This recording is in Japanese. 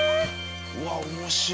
うわっ面白い。